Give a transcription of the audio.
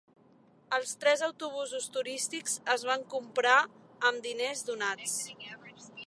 Els tres autobusos turístics es van comprar amb diners donats.